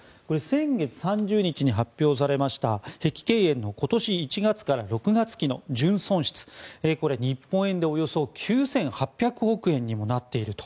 先月３０日に発表されました碧桂園の今年１月から６月期の純損失は日本円で９８００億円にもなっていると。